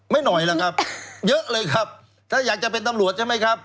หน่อยล่ะครับเยอะเลยครับถ้าอยากจะเป็นตำรวจใช่ไหมครับ